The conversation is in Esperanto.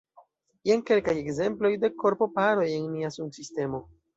Jen kelkaj ekzemploj de korpo-paroj en nia sunsistemo.